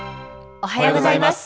おはようございます。